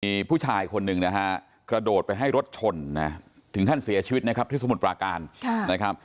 มีผู้ชายคนหนึ่งนะฮะกระโดดไปให้รถชนนะถึงขั้นเสียชีวิตนะครับที่สมุทรปราการนะครับ